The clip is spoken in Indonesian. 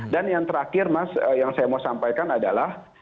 dan yang terakhir mas yang saya mau sampaikan adalah